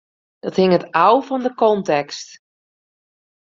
Dat hinget ôf fan de kontekst.